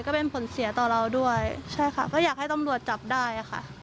ก็เป็นผลเสียต่อเราด้วยก็อยากให้ตำรวจจับได้